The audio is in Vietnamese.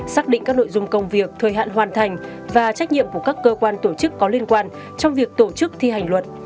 xác định các nội dung công việc thời hạn hoàn thành và trách nhiệm của các cơ quan tổ chức có liên quan trong việc tổ chức thi hành luật